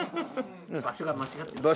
場所が間違ってました。